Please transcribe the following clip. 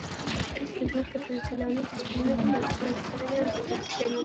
Это требует определенной дисциплины в плане продолжительности выступлений.